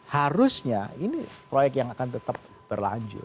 harusnya ini proyek yang akan tetap berlanjut